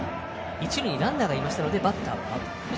一塁にランナーがいましたのでバッターはアウト。